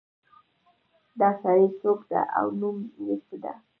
دا سړی څوک ده او نوم یې څه ده